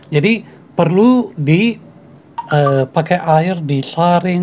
jadi perlu dipakai air disaring